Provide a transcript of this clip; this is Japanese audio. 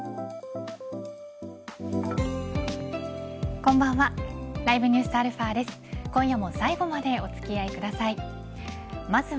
こんばんは。